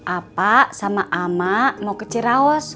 apa sama ama mau ke ciraos